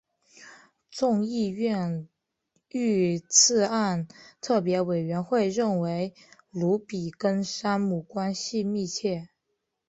众议院遇刺案特别委员会认为鲁比跟山姆关系密切。